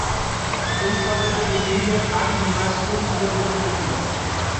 এই প্রজাতির উদ্ভিদের আদি নিবাস ক্যারিবীয় দ্বীপপুঞ্জ।